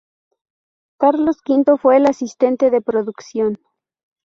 Carlos Quinto fue el asistente de producción.